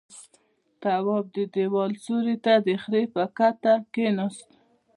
تواب د دېوال سيوري ته د خرې پر کته کېناست.